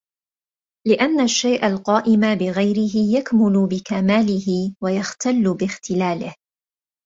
لِأَنَّ الشَّيْءَ الْقَائِمَ بِغَيْرِهِ يَكْمُلُ بِكَمَالِهِ وَيَخْتَلُّ بِاخْتِلَالِهِ